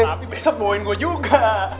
tapi besok poin gue juga